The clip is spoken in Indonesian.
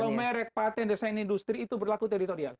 kalau merk paten desain industri itu berlaku teritorial